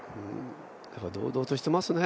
堂々としていますね。